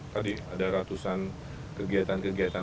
tadi ada ratusan kegiatan kegiatan